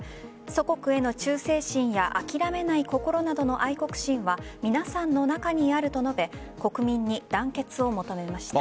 祖国への忠誠心や諦めない心などの愛国心は皆さんの中にあると述べ国民に団結を求めました。